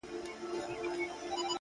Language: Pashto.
• وي لكه ستوري هره شــپـه را روان؛